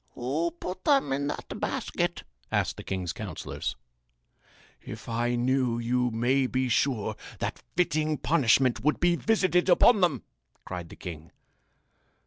"Who put them in that basket?" asked the king's counsellors. "If I knew you may be sure that fitting punishment would be visited upon them!" cried the king.